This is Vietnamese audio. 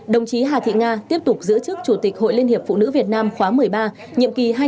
đồng chí hà thị nga tiếp tục giữ chức chủ tịch hội liên hiệp phụ nữ việt nam khóa một mươi ba